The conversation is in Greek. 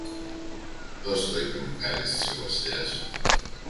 Δώσ' το, είπε μ' ευχαρίστηση ο Βασιλιάς.